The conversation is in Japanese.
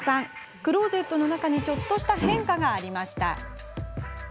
クローゼットの中にちょっとした変化がありました。